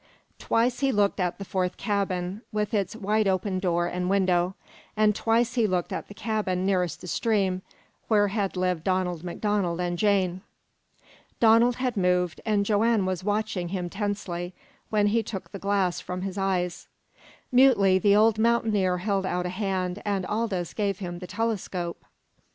Twice he looked at the fourth cabin, with its wide open door and window, and twice he looked at the cabin nearest the stream, where had lived Donald MacDonald and Jane. Donald had moved, and Joanne was watching him tensely, when he took the glass from his eyes. Mutely the old mountaineer held out a hand, and Aldous gave him the telescope.